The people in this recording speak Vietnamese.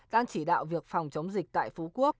ban chỉ đạo việc phòng chống dịch tại phú quốc